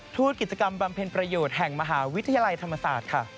ทูตกิจกรรมบำเพ็ญประโยชน์แห่งมหาวิทยาลัยธรรมศาสตร์ค่ะ